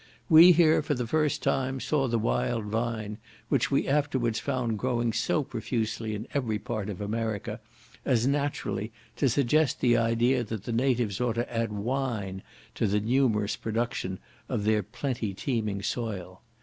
We here, for the first time, saw the wild vine, which we afterwards found growing so profusely in every part of America, as naturally to suggest the idea that the natives ought to add wine to the numerous production of their plenty teeming soil.